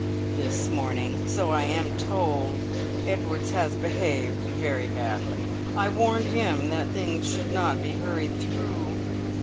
"This morning! So I am told. Edwards has behaved very badly. I warned him that things should not be hurried through."